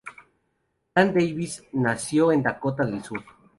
Dan Davis nació en Dakota del Sur.